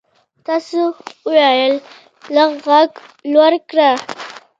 تا څه وویل ؟ لږ ږغ لوړ کړه !